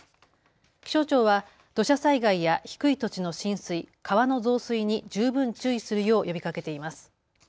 気象庁は土砂災害や低い土地の浸水、川の増水に十分注意するよう呼びかけています。